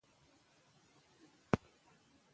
مورغاب سیند د افغانستان د جغرافیوي تنوع مثال دی.